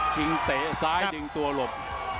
งเตะซ้ายดึงตัวหลบ